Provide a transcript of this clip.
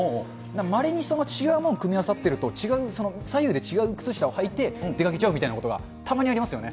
まれに違うもの組み合わさってると、違う、左右で違う靴下を履いて出かけちゃうみたいなことが、たまにありますよね。